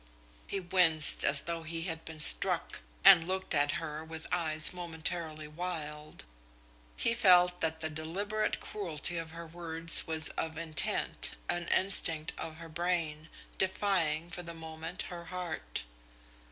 He winced as though he had been struck, and looked at her with eyes momentarily wild. He felt that the deliberate cruelty of her words was of intent, an instinct of her brain, defying for the moment her heart.